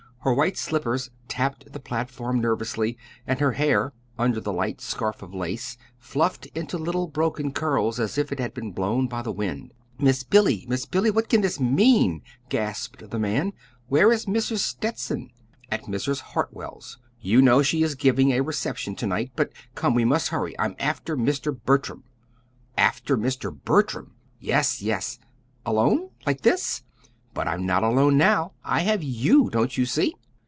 Her white slippers tapped the platform nervously, and her hair, under the light scarf of lace, fluffed into little broken curls as if it had been blown by the wind. "Miss Billy, Miss Billy, what can this mean?" gasped the man. "Where is Mrs. Stetson?" "At Mrs. Hartwell's you know she is giving a reception to night. But come, we must hurry! I'm after Mr. Bertram." "After Mr. Bertram!" "Yes, yes." "Alone? like this?" "But I'm not alone now; I have you. Don't you see?"